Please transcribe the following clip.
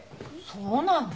そうなの？